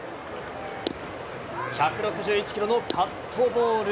１６１キロのカットボール。